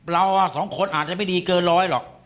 เราสองคนอาจจะไม่ดีเกินร้อยหรอก